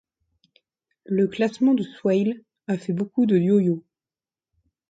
Le classement de Swail a fait beaucoup de yoyo.